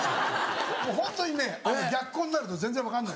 ホントにね逆光になると全然分かんない。